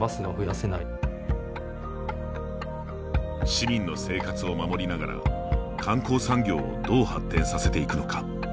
市民の生活を守りながら観光産業をどう発展させていくのか。